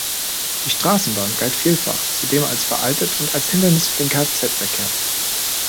Die Straßenbahn galt vielfach zudem als veraltet und als Hindernis für den Kfz-Verkehr.